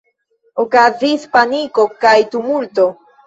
Okazis paniko kaj tumulto.